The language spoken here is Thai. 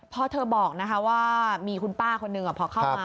พอเธอบอกว่ามีคุณป้าคนนึงพอเข้ามา